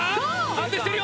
安定してるよ！